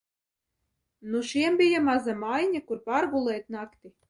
Nu šiem bija maza mājiņa, kur pārgulēt nakti.